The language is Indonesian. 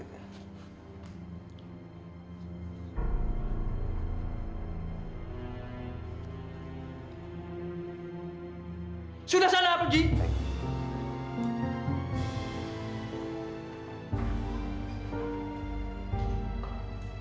sudah salah pak jee